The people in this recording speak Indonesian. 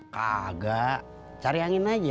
kagak cari angin aja